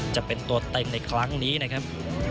จะเป็นตัวเต็มในครั้งนี้นะครับ